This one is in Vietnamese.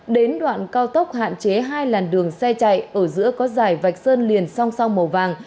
đến đoạn cao tốc hạn chế hai làn đường xe chạy ở giữa có dải vạch sơn liền song song màu vàng